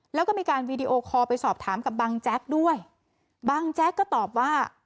แล้วก็มีการวีดีโอคอลไปสอบถามกับบังแจ๊กด้วยบังแจ๊กก็ตอบว่า